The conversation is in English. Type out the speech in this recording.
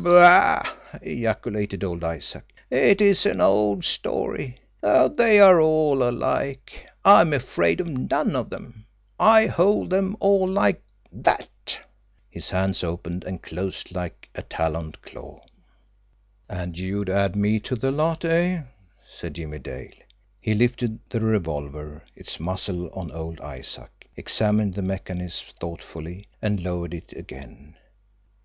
"Bah!" ejaculated old Isaac. "It is an old story. They are all alike. I am afraid of none of them. I hold them all like THAT!" His hand opened and closed like a taloned claw. "And you'd add me to the lot, eh?" said Jimmie Dale. He lifted the revolver, its muzzle on old Isaac, examined the mechanism thoughtfully, and lowered it again.